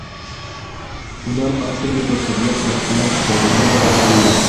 هنر په اصل کې د طبیعت له ښکلا څخه الهام اخیستل دي.